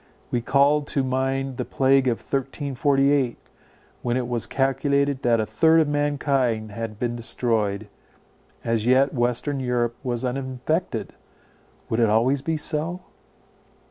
We called to mind the plague of 1348, when it was calculated that a third of mankind had been destroyed. As yet western Europe was uninfected; would it always be so?